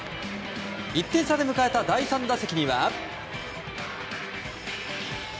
１点差で迎えた第３打席には。